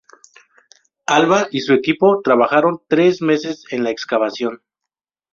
Alva y su equipo trabajaron tres meses en la excavación.